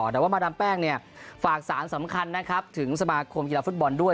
แต่ว่ามาดามแป้งเนี่ยฝากสารสำคัญนะครับถึงสมาคมกีฬาฟุตบอลด้วย